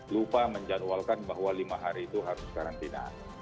lupa menjadwalkan bahwa lima hari itu harus karantina